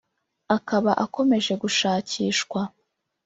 akaba akomeje gushakishwa